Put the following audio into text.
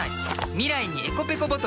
未来にｅｃｏペコボトル。